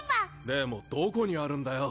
でもどこにあるんだよ。